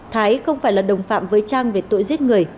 thái không phải là đồng phạm với trang về tội giết người